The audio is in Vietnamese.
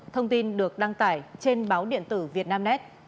thông tin được đăng tải trên báo điện tử việt nam net